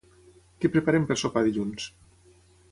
Què prepararem per sopar dilluns?